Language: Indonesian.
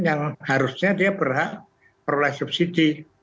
yang harusnya dia berhak peroleh subsidi